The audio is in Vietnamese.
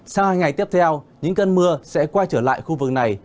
sau hai ngày tiếp theo những cơn mưa sẽ quay trở lại khu vực này